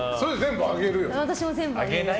私も全部あげる。